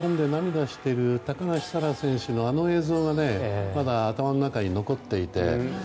僕は座り込んで涙している高梨沙羅選手のあの映像がまだ頭の中に残っていて。